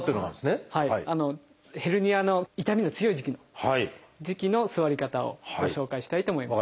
ヘルニアの痛みの強い時期の座り方をご紹介したいと思います。